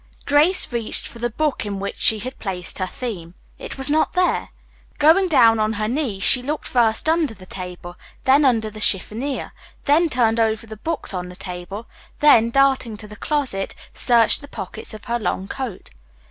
Grace reached for the book in which she had placed her theme. It was not there. Going down on her knees, she looked first under the table, then under the chiffonier, then turned over the books on the table, then, darting to the closet, searched the pockets of her long coat.